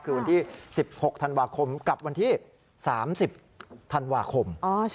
คือวันที่๑๖ธันวาคมกับวันที่๓๐ธันวาคม